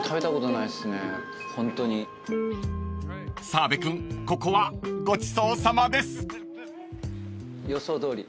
［澤部君ここはごちそうさまです］予想どおり？